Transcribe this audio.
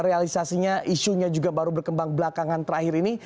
realisasinya isunya juga baru berkembang belakangan terakhir ini